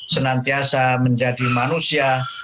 senantiasa menjadi manusia